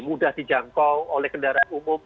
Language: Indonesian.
mudah dijangkau oleh kendaraan umum